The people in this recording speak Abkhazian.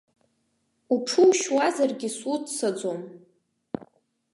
Уҽушьуазаргьы суццаӡом.